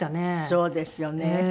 そうですよね。